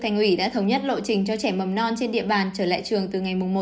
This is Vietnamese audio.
nhất lộ trình cho trẻ mầm non trên địa bàn trở lại trường từ ngày một ba